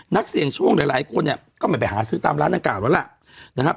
นักเสี่ยงช่วงหลายคนก็ไม่ไปหาซื้อตามร้านนั่งกราวแล้วล่ะ